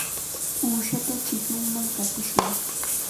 Uushata chikunman qatishun.